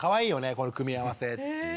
この組み合わせ」っていう。